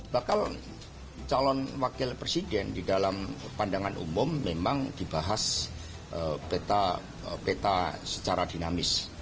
bakal calon wakil presiden di dalam pandangan umum memang dibahas peta secara dinamis